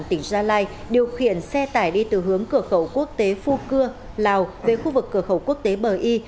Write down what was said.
tỉnh gia lai điều khiển xe tải đi từ hướng cửa khẩu quốc tế phu cưa lào về khu vực cửa khẩu quốc tế bờ y